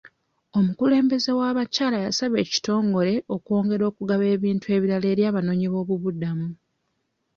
Omukulembeze w'abakyala yasaba ekitongole okwongera okugaba ebintu ebirala eri abanoonyiboobubudamu.